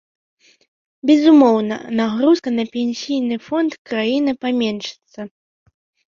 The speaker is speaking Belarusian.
Безумоўна, нагрузка на пенсійны фонд краіны паменшыцца.